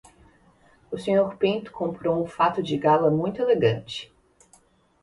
O Sr. Pinto comprou um fato de gala muito elegante.